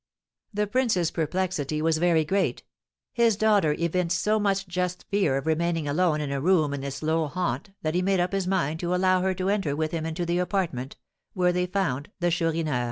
The prince's perplexity was very great. His daughter evinced so much just fear of remaining alone in a room in this low haunt that he made up his mind to allow her to enter with him into the apartment, where they found the Chourineur.